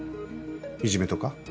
いじめとか？